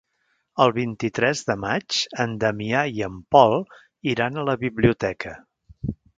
El vint-i-tres de maig en Damià i en Pol iran a la biblioteca.